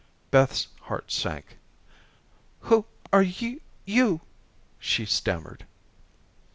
Beth's heart sank. "Who are you?" she stammered.